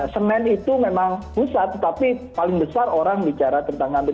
semen itu memang pusat tetapi paling besar orang bicara tentang ngambil